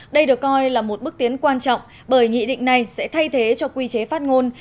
đây được coi là một bước tiến quan trọng bởi nghị định này sẽ thay thế cho quy chế phát ngôn